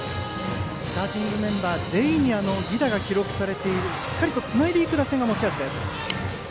スターティングメンバー全員に犠打が記録されているしっかりつないでいく打線が持ち味です。